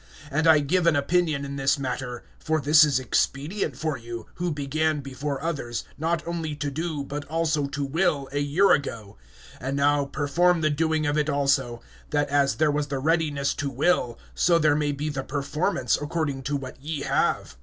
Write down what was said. (10)And I give an opinion in this matter; for this is expedient for you, who began before others, not only to do, but also to will, a year ago. (11)And now perform the doing of it also; that as there was the readiness to will, so there may be the performance according to what ye have.